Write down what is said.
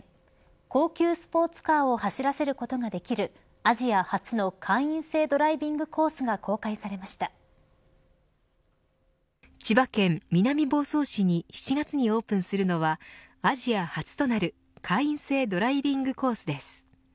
高級スポーツカーを走らせることができるアジア初の会員制ドライビングコースが千葉県南房総市に７月にオープンするのはアジア初となる会員制ドライビングコースです。